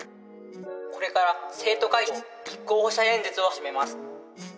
これから生徒会長立候補者演説を始めます。